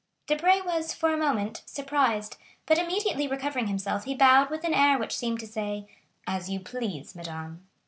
Debray was, for a moment, surprised, but immediately recovering himself, he bowed with an air which seemed to say, "As you please, madame."